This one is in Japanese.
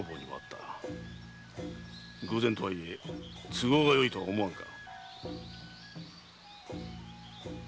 偶然とはいえ都合がよいとは思わんか？